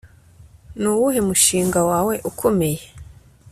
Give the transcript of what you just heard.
Nuwuhe mushinga wawe ukomeye